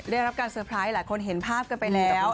ได้รับการเตอร์ไพรส์หลายคนเห็นภาพกันไปแล้ว